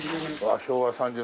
昭和３０年。